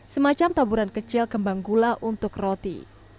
semacam taburan kecil kembang gula untuk roti